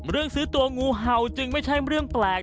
เรื่องซื้อตัวงูเห่าจึงไม่ใช่เรื่องแปลก